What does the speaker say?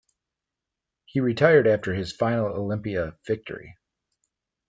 He retired after his final Olympia victory.